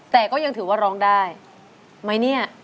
แต่ก็ยังถือว่าร้องได้ไหมเนี่ย